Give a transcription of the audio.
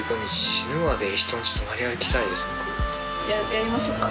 やりましょうか？